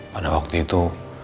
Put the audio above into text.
pada waktu itu